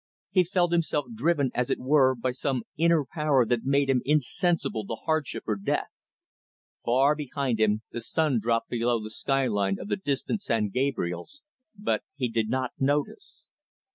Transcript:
He felt himself driven, as it were, by some inner power that made him insensible to hardship or death. Far behind him, the sun dropped below the sky line of the distant San Gabriels, but he did not notice.